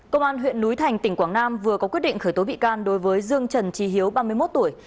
công an huyện núi thành tỉnh quảng nam vừa có quyết định khởi tố bị can đối với dương trần trí hiếu ba mươi một tuổi